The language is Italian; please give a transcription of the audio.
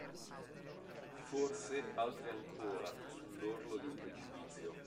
Forse altri ancora sull'orlo di un precipizio